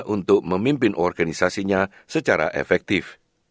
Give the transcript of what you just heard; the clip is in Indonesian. untuk memimpin organisasinya secara efektif